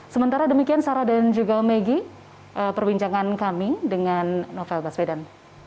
sementara demikian sarah dan juga megi perbincangan kami dengan novel baswedan